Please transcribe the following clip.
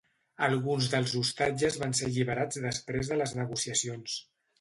Alguns dels ostatges van ser alliberats després de les negociacions.